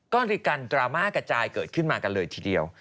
ก็เลยกันดราม่ากระจายเกิดขึ้นมากันเลยทีเดียว